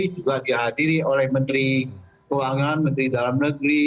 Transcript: juga dihadiri oleh menteri keuangan menteri dalam negeri